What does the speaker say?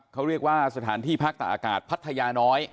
เขาเรียกว่าสถานที่พักตะอากาศพัทยาน้อย